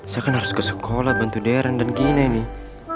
saya kan harus ke sekolah bantu deran dan gina nih